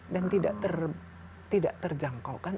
dan tidak terjangkaukan